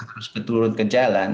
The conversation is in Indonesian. terus berturut ke jalan